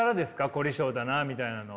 凝り性だなみたいなのは。